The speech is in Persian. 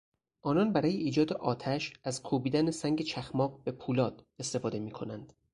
آنان برای ایجاد آتش از کوبیدن سنگ چخماق به پولاد استفاده میکنند.